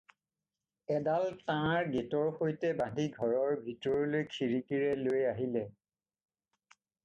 এডাল তাঁৰ গেটৰ সৈতে বান্ধি ঘৰৰ ভিতৰলৈ খিৰিকীৰে লৈ আহিছিলে।